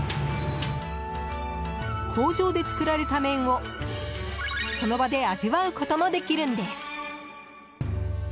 工場で作られた麺を、その場で味わうこともできるんです。